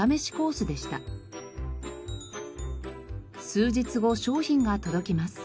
数日後商品が届きます。